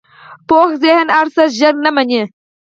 پوخ ذهن هر څه ژر نه منې